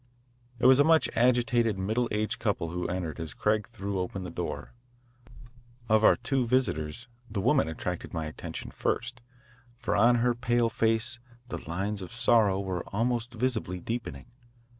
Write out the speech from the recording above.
It was a much agitated middle aged couple who entered as Craig threw open the door. Of our two visitors, the woman attracted my attention first, for on her pale face the lines of sorrow were almost visibly deepening.